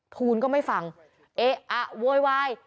ทูลก็ไม่ฟังเอ๊ะอะโวยวาย